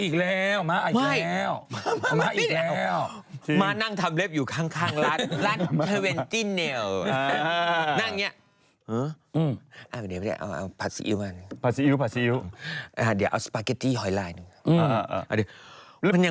เขาเป็นไทรอยด์เอาอีกเลย